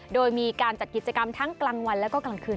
โดยมีการจัดกิจกรรมทั้งกลางวันแล้วก็กลางคืน